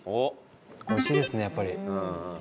美味しいですねやっぱり。